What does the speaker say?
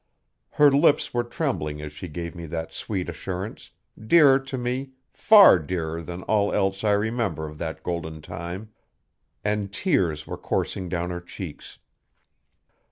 Her lips were trembling as she gave me that sweet assurance dearer to me far dearer than all else I remember of that golden time and tears were coursing down her cheeks.